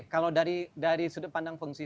kalau dari sudut pandang feng shui